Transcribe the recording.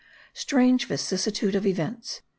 Strange vicissitude of events!